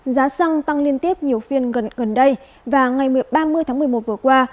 giá xăng tăng liên tiếp nhiều phiên gần gần đây và ngày ba mươi tháng một mươi một vừa qua